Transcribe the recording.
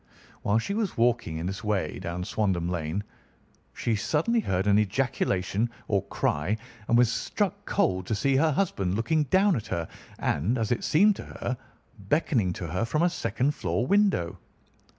While she was walking in this way down Swandam Lane, she suddenly heard an ejaculation or cry, and was struck cold to see her husband looking down at her and, as it seemed to her, beckoning to her from a second floor window.